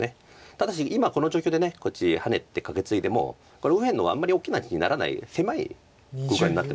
ただし今この状況でこっちハネてカケツイでも右辺の方あんまり大きな地にならない狭い空間になってます。